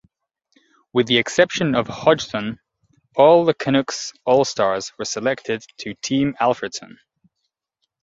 With the exception of Hodgson, all the Canucks All-Stars were selected to Team Alfredsson.